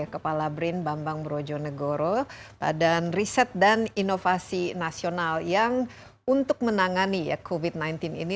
kepala brin bambang brojonegoro badan riset dan inovasi nasional yang untuk menangani covid sembilan belas ini